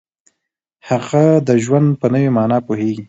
هغه د ژوند په نوې معنا پوهیږي.